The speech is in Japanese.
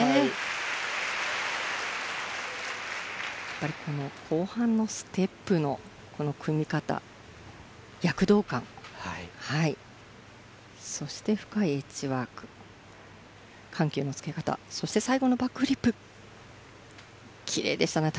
やっぱりこの後半のステップの組み方躍動感はいはいそして深いエッジワーク緩急のつけ方そして最後のバックフリップキレイでしたね